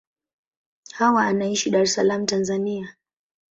Hawa anaishi Dar es Salaam, Tanzania.